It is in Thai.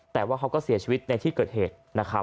แต่ว่าเขาก็เสียชีวิตในที่เกิดเหตุนะครับ